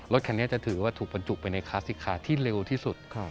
รถคันนี้จะถือว่าถูกบรรจุไปในคลาสสิกคาที่เร็วที่สุด